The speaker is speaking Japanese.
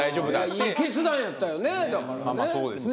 いい決断やったよねだからね。